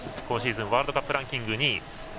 今シーズンワールドカップランキング２位。